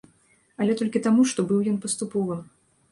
Але толькі таму, што быў ён паступовым.